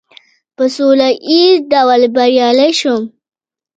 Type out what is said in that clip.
په سوله ایز ډول بریالی شوم.